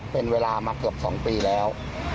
เป็นเวลามาเกือบ๒ปีแล้ว